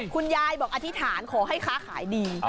คุณยายบอกอธิษฐานขอให้ค้าขายดี